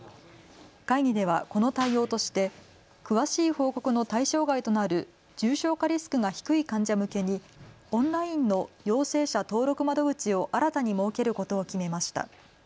会議ではこの対応として詳しい報告の対象外となる重症化リスクが低い患者向けにオンラインの陽性者登録窓口を新たに設けることを決めました。